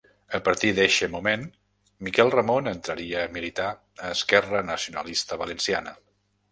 A partir d'eixe moment, Miquel Ramon entraria a militar a Esquerra Nacionalista Valenciana.